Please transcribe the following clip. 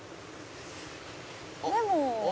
「でも」